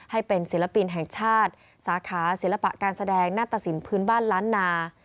ให้เป็นศิลปินแห่งชาติสาขาศิลปะการแสดงหน้าตะสินพื้นบ้านล้านนา